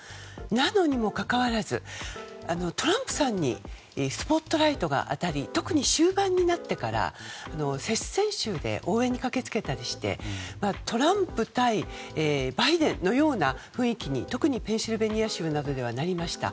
なのにもかかわらずトランプさんにスポットライトが当たり特に終盤になってから接戦州で応援に駆け付けたりしてトランプ対バイデンのような雰囲気に特にペンシルベニア州ではなりました。